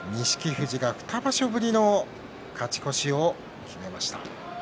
富士が２場所ぶりの勝ち越しを決めました。